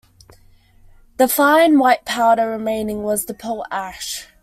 The fine, white powder remaining was the pearl ash.